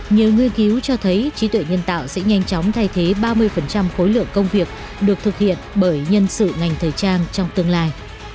nhiều nghiên cứu cho thấy trí tuệ nhân tạo sẽ nhanh chóng thay thế ba mươi khối lượng công việc được thực hiện bởi nhân sự ngành thời trang trong tương lai